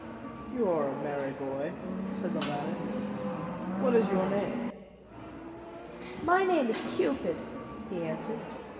"You are a merry boy," said the latter. "What is your name?" "My name is Cupid," he answered.